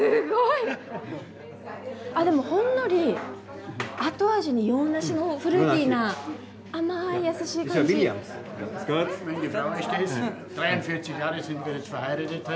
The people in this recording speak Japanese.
でもほんのり後味に洋ナシのフルーティーな甘い優しい感じ。